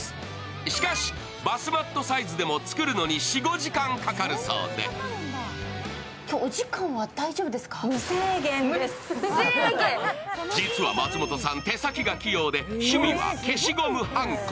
しかし、バスマットサイズでも作るのに４５時間かかるそうで実は松本さん、手先が器用で趣味は消しゴムはんこ。